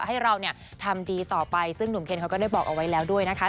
ให้เราเนี่ยทำดีต่อไปซึ่งหนุ่มเคนเขาก็ได้บอกเอาไว้แล้วด้วยนะคะ